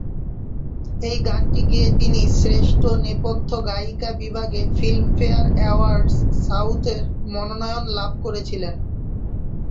এই গানটি গেয়ে তিনি শ্রেষ্ঠ নেপথ্য গায়িকা বিভাগে ফিল্মফেয়ার অ্যাওয়ার্ডস সাউথের মনোনয়ন লাভ করেছিলেন।